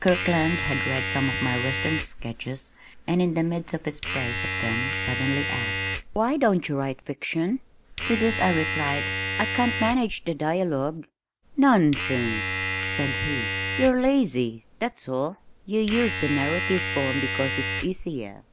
Kirkland had read some of my western sketches and in the midst of his praise of them suddenly asked, "Why don't you write fiction?" To this I replied, "I can't manage the dialogue." "Nonsense!" said he. "You're lazy, that's all. You use the narrative form because it's easier.